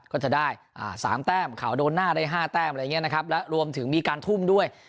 ก็จะได้๓แต้มเขาโดนหน้าได้๕แต้มอะไรอย่างนี้นะครับและรวมถึงมีการทุ่มด้วย